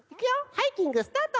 ハイキングスタート！